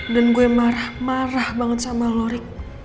dan gue marah marah banget sama lo rick